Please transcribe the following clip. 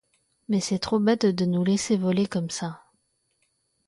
Mais c’est trop bête de nous laisser voler comme ça.